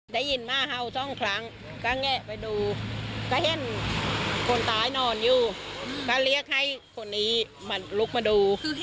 ได้ยินมาเห่าสองครั้งก็แงะไปดูก็เห็นคนตายนอนอยู่ก็เรียกให้คนนี้มาลุกมาดู